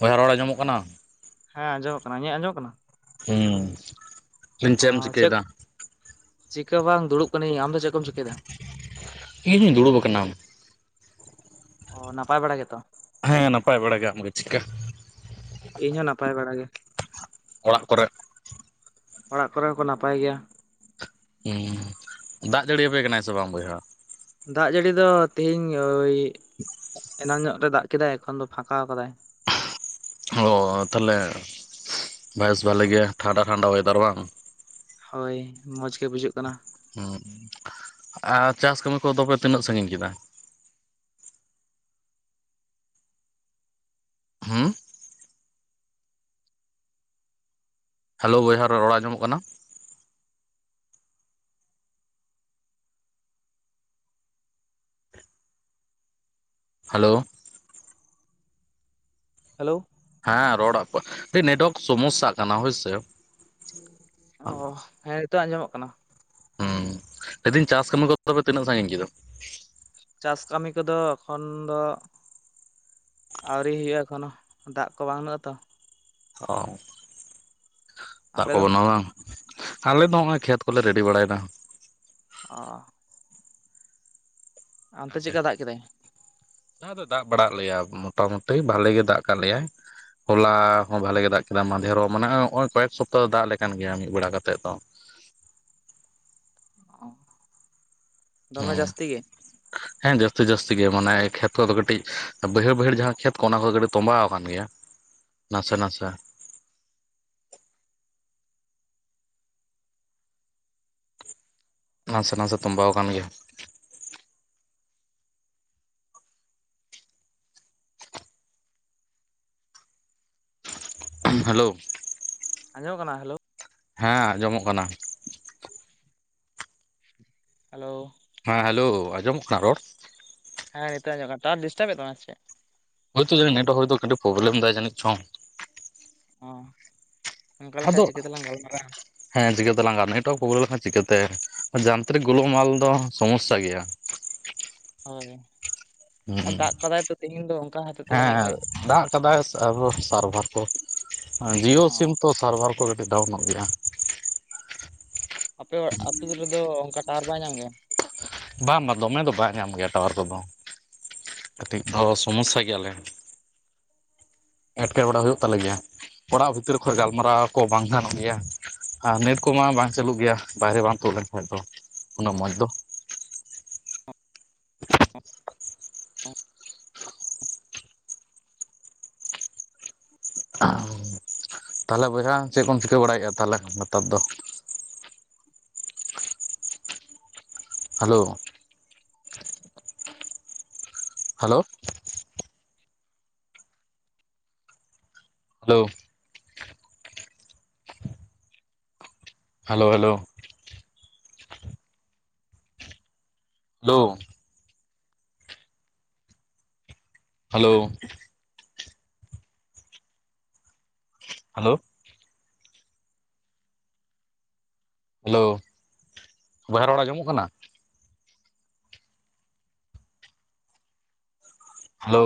ᱵᱚᱭᱦᱟ ᱨᱚᱲ ᱟᱸᱡᱚᱢᱚᱜ ᱠᱟᱱᱟ? ᱦᱮᱸ ᱟᱸᱡᱚᱢᱚᱜ ᱠᱟᱱᱟ᱾ ᱤᱧᱟᱹᱜ ᱟᱸᱡᱚᱢ ᱠᱟᱱᱟ? ᱦᱩᱸ! ᱚ ᱪᱮᱢ ᱪ ᱪᱮᱫ ᱠᱮᱫᱮᱫᱟ? ᱪᱤᱠᱟᱹ ᱵᱟᱝ ᱫᱩᱲᱩᱵ ᱠᱟᱹᱱᱟᱹᱧ᱾ ᱟᱢ ᱫᱚ ᱪᱮᱫ ᱠᱚᱢ ᱪᱤᱠᱟᱹᱭᱫᱟ? ᱤᱧ [unintelligible] ᱚ ᱱᱟᱯᱟᱭ ᱵᱟᱲᱟ ᱜᱮᱛᱚ ᱦᱮᱸ ᱱᱟᱯᱟᱭ ᱵᱟᱲᱟ ᱟᱢ ᱜᱮ ᱪᱮᱫᱠᱟ? ᱤᱧ ᱦᱚᱸ ᱱᱟᱯᱟᱭ ᱵᱟᱲᱟ ᱜᱮ᱾ ᱚᱲᱟᱜ ᱠᱚᱨᱮ ᱚᱲᱟᱜ ᱠᱚᱨᱮ ᱦᱚᱸᱠᱚ ᱱᱟᱯᱟᱭ ᱜᱮᱭᱟ᱾ ᱦᱮᱸ ᱫᱟᱜ ᱡᱟᱹᱲᱤᱭᱟᱯᱮ ᱠᱟᱱᱟᱭ ᱥᱮ ᱵᱟᱝ ᱵᱚᱭᱦᱟ? ᱫᱟᱜ ᱡᱟᱹᱲᱤ ᱫᱚ ᱛᱤᱦᱤᱧ ᱳᱭ ᱮᱱᱟᱝ ᱧᱚᱜ ᱨᱮ ᱫᱟᱜ ᱠᱮᱫᱟᱭ ᱮᱠᱷᱚᱱ ᱫᱚ ᱯᱷᱟᱠᱟ ᱟᱠᱟᱫᱟᱭ᱾ ᱚ ᱛᱟᱦᱚᱞᱮ ᱵᱮᱥ ᱵᱷᱟᱞᱮ ᱜᱮ ᱴᱷᱟᱱᱰᱟ ᱴᱷᱟᱱᱰᱟ ᱚᱭᱮᱫᱟᱨ ᱵᱟᱝ ᱦᱳᱭ ᱢᱚᱡᱽ ᱜᱮ ᱵᱩᱡᱟᱹᱜ ᱠᱟᱱᱟ᱾ [unintelligible] ᱟᱨ ᱪᱟᱥ ᱠᱟᱹᱢᱤ ᱠᱚᱫᱚᱯᱮ ᱛᱤᱱᱟᱹᱜ ᱥᱟᱸᱜᱤᱧ ᱠᱮᱫᱟ? ᱦᱩᱸ ᱦᱮᱞᱳ ᱵᱚᱭᱦᱟ ᱨᱚᱲ ᱟᱸᱡᱚᱢᱚᱜ ᱠᱟᱱᱟ? ᱦᱮᱞᱳ ᱦᱮᱞᱳ ᱦᱮᱸ ᱨᱚᱲ ᱠᱞ [unintelligible] ᱟᱹᱰᱤ ᱱᱮᱴᱣᱟᱨᱠ ᱥᱚᱢᱚᱥᱥᱟ ᱠᱟᱱᱟ ᱦᱳᱭᱥᱮ ᱚ ᱦᱮᱸ ᱱᱤᱛᱳᱜ ᱟᱸᱡᱚᱢᱚᱜ ᱠᱟᱱᱟ᱾ ᱦᱩᱸ ᱞᱟᱹᱭᱫᱟᱹᱧ ᱪᱟᱥ ᱠᱟᱹᱢᱤ ᱠᱚ ᱫᱚ ᱛᱚᱵᱮ ᱛᱤᱱᱟᱹᱜ ᱥᱟᱹᱜᱤᱸᱧ ᱠᱮᱫᱟ? ᱪᱟᱥ ᱠᱟᱹᱢᱤ ᱠᱚᱫᱚ ᱮᱠᱷᱚᱱ ᱫᱚ ᱟᱹᱣᱨᱤ ᱦᱩᱭᱩᱜᱼᱟ ᱮᱠᱷᱚᱱᱚ ᱫᱟᱜ ᱠᱚ ᱵᱟᱹᱱᱩᱜ ᱟᱛᱚ ᱚ ᱟᱯᱮ ᱫᱚ [unintelligible] ᱟᱞᱮ ᱫᱚ ᱦᱚᱸᱜᱻᱚᱭ ᱠᱷᱮᱛ ᱠᱚᱞᱮ ᱨᱮᱰᱤ ᱵᱟᱲᱟᱭᱮᱫᱟ᱾ ᱚ ᱟᱱᱛᱮ ᱪᱮᱫ ᱠᱟ ᱫᱟᱜ ᱠᱮᱫᱟᱭ᱾ ᱫᱟᱜ ᱫᱚ ᱫᱟᱜ ᱵᱟᱲᱟᱜ ᱞᱮᱭᱟ ᱢᱚᱴᱟᱢᱩᱴᱤ ᱵᱷᱟᱞᱤ ᱜᱮ ᱫᱟᱜ ᱠᱟᱜ ᱞᱮᱭᱟᱭ᱾ ᱦᱚᱞᱟ ᱦᱚᱸ ᱵᱷᱟᱞᱮ ᱜᱮ ᱫᱟᱜ ᱠᱮᱫᱟ ᱢᱟᱸᱫᱷᱮᱨ ᱦᱚᱸ [unintelligible] ᱦᱚᱜᱻᱚᱭ ᱠᱚᱭᱮᱠ ᱥᱚᱯᱛᱟ ᱫᱟᱜ ᱟᱞᱮ ᱠᱟᱱ ᱜᱮᱭᱟ ᱢᱤᱫ ᱵᱮᱲᱟ ᱠᱟᱛᱮ ᱫᱚ᱾ ᱚᱸ ᱫᱚᱢᱮ ᱦᱩᱸ ᱡᱟᱹᱥᱛᱤ ᱜᱮ ᱦᱮᱸ ᱡᱟᱹᱥᱛᱤ ᱡᱟᱹᱥᱛᱤ ᱜᱮ ᱢᱟᱱᱮ ᱠᱷᱮᱛ ᱠᱚᱫᱚ ᱠᱟᱹᱴᱤᱡ ᱵᱟᱹᱭᱦᱟᱹᱲ ᱵᱟᱹᱭᱦᱟᱹᱲ ᱡᱟᱦᱟ ᱠᱷᱮᱛ ᱠᱚ ᱚᱱᱟ ᱠᱚ ᱠᱟᱹᱴᱤᱡ ᱛᱚᱸᱵᱟᱣ ᱟᱠᱟᱱ ᱜᱮᱭᱟ᱾ ᱱᱟᱥᱮ ᱱᱟᱥᱮ [inaudible] ᱱᱟᱥᱮ ᱱᱟᱥᱮ ᱛᱚᱸᱵᱟᱣ ᱟᱠᱟᱱ ᱜᱮᱭᱟ [unintelligible] ᱦᱮᱞᱳ ᱟᱸᱡᱚᱢᱚᱜ ᱠᱟᱱᱟ ᱦᱮᱞᱳ ᱦᱮᱸ ᱟᱸᱡᱚᱢᱚᱜ ᱠᱟᱱᱟ᱾ ᱦᱮᱞᱳ ᱦᱮᱸ ᱦᱮᱞᱳ ᱟᱸᱡᱚᱢᱚᱜ ᱠᱟᱱᱟ ᱨᱚᱲ ᱦᱮᱸ ᱱᱤᱛᱚᱜ ᱟᱸᱡᱚᱢᱚᱜ ᱠᱟᱱᱟ ᱴᱟᱶᱟᱨ ᱰᱤᱥᱴᱟᱵ ᱮᱫ ᱛᱟᱢᱟ ᱥᱮ ᱪᱮᱫ? ᱦᱳᱭᱛᱳ ᱡᱟᱹᱱᱤᱡ ᱱᱮᱴᱣᱟᱨᱠ ᱦᱳᱭ ᱛᱚ ᱠᱟᱹᱴᱤᱡ ᱯᱚᱵᱞᱮᱢ ᱫᱟᱭ ᱡᱟᱹᱱᱤᱡ ᱪᱚ ᱚ ᱚᱱᱠᱟ ᱞᱮᱠᱷᱟᱡ ᱟᱫᱚ ᱪᱤᱠᱟᱹᱛᱮᱞᱟᱝ ᱜᱟᱞᱢᱟᱨᱟᱜᱼᱟ ᱦᱮᱸ ᱪᱤᱠᱟᱹ ᱛᱮᱞᱟᱝ [unintelligible] ᱱᱮᱴᱣᱟᱨᱠ ᱯᱚᱵᱞᱮᱢ ᱞᱮᱱᱠᱷᱟᱱ ᱪᱤᱠᱟᱹ ᱛᱮ ᱡᱟᱱᱛᱨᱤᱠ ᱜᱩᱞᱳ ᱢᱟᱞ ᱫᱚ ᱥᱚᱢᱚᱥᱥᱟ ᱜᱮᱭᱟ᱾ ᱦᱳᱭ ᱟᱨ ᱦᱩᱸ ᱫᱟᱜ ᱠᱟᱫᱟᱭ ᱛᱚ ᱛᱤᱦᱤᱧ ᱫᱚ ᱚᱱᱠᱟ ᱦᱟᱛᱮᱫ ᱛᱮ ᱡᱟᱹᱱᱤᱡ ᱦᱮᱸ ᱠᱷᱟᱡᱽ ᱫᱟᱜ ᱠᱟᱫᱟᱭ ᱟᱨᱚ ᱥᱟᱨᱵᱷᱟᱨ ᱠᱚ ᱡᱤᱭᱳ ᱥᱤᱢ ᱛᱚ ᱥᱟᱨᱵᱷᱟᱨ ᱠᱚ ᱠᱟᱹᱴᱤᱡ ᱰᱟᱣᱩᱱᱚᱜ ᱜᱮᱭᱟ᱾ ᱟᱯᱮ [unintelligible] ᱟᱹᱛᱩ ᱨᱮᱫᱚ ᱚᱱᱠᱟ ᱴᱟᱣᱟᱨ ᱵᱟᱭ ᱧᱟᱢ ᱜᱮᱭᱟ ᱵᱟᱝ ᱵᱟᱝ ᱫᱚᱢᱮ ᱫᱚ ᱵᱟᱭ ᱧᱟᱢ ᱜᱮᱭᱟ ᱴᱟᱣᱟᱨ ᱠᱚᱫᱚ᱾ ᱠᱟᱹᱴᱤᱡ [unintelligible] ᱥᱚᱢᱚᱥᱥᱟ ᱜᱮᱭᱟ ᱞᱮ ᱮᱴᱠᱮᱦᱚᱬᱮ ᱦᱩᱭᱩᱜ ᱛᱟᱞᱮ ᱜᱮᱭᱟ ᱚᱲᱟᱜ ᱵᱷᱤᱛᱤᱨ ᱠᱷᱚᱡᱽ ᱜᱟᱞᱢᱟᱨᱟᱣ ᱠᱚ ᱵᱟᱝ ᱜᱟᱱᱚᱜ ᱜᱮᱭᱟ᱾ ᱟᱨ ᱱᱮᱴ ᱠᱚᱢᱟ ᱵᱟᱝ ᱪᱟᱹᱞᱩᱜ ᱜᱮᱭᱟ ᱵᱟᱭᱨᱮ ᱵᱟᱢ ᱛᱩᱫ ᱞᱮᱱᱠᱷᱟᱱ ᱫᱚ ᱩᱱᱟᱹᱜ ᱢᱚᱸᱡᱽ ᱫᱚ᱾ [inaudible] [unintelligible] ᱛᱟᱦᱞᱮ ᱵᱚᱭᱦᱟ ᱟᱢ ᱪᱮᱫ ᱠᱚᱢ ᱪᱤᱠᱟᱹ ᱵᱟᱲᱟᱭᱮᱫᱼᱟ ᱛᱟᱦᱞᱮ hello hello hello hello hello hello hello hello hello ᱵᱚᱭᱦᱟ ᱨᱚᱲ ᱟᱸᱡᱚᱢ ᱚᱜ ᱠᱟᱱᱟ ᱦᱮᱞᱳ